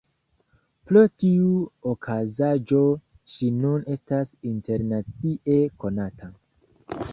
Pro tiu okazaĵo ŝi nun estas internacie konata.